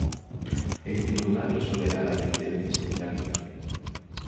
El tribunal resolverá la incidencia sin trámite.